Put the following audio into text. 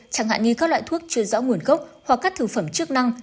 chẳng hạn như các loại thuốc chưa rõ nguồn gốc hoặc các thực phẩm chức năng